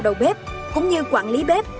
đầu bếp cũng như quản lý bếp